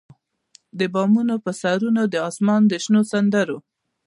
د بامونو پر سرونو د اسمان د شنو سندرو،